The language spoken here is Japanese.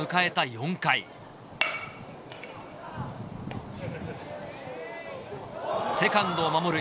４回セカンドを守る